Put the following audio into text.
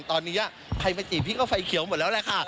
ตอนนี้ใครไปจีบพี่ก็ไฟเขียวหมดแล้วแหละค่ะ